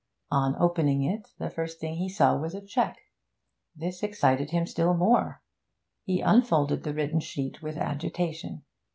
On opening it, the first thing he saw was a cheque. This excited him still more; he unfolded the written sheet with agitation.